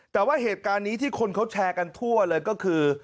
แต่ว่าเหตุการณ์นี้ที่คนเขาแชร์กันทั่วเลยก็คือ